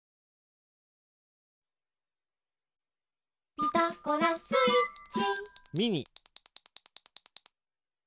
「ピタゴラスイッチ」